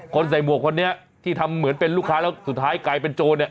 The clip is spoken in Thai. ใส่หมวกคนนี้ที่ทำเหมือนเป็นลูกค้าแล้วสุดท้ายกลายเป็นโจรเนี่ย